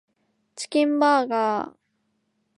チキンハンバーガー